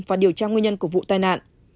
và điều tra nguyên nhân của vụ tai nạn